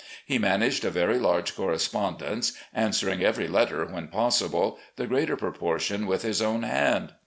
He managed a very large correspondence, answering every letter when possible, the greater proportion with his own hand.